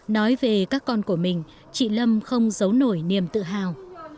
nói về các con của mình chị lâm không giấu nổi niềm tự hào